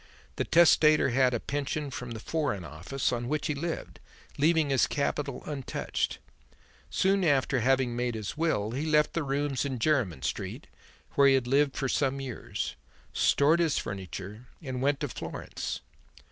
The testator had a pension from the Foreign Office, on which he lived, leaving his capital untouched. Soon after having made his will, he left the rooms in Jermyn Street, where he had lived for some years, stored his furniture and went to Florence.